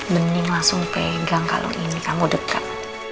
pening langsung pegang kalung ini kamu dekat